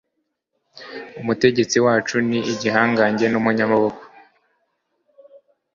umutegetsi wacu ni igihangange n'umunyamaboko,